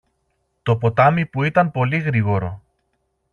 το ποτάμι που ήταν πολύ γρήγορο